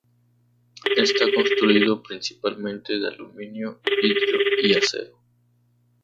Está construido principalmente de aluminio, vidrio y acero.